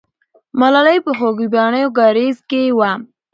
ملالۍ په خوګیاڼیو کارېز کې وه.